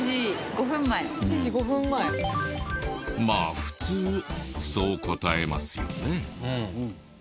まあ普通そう答えますよね。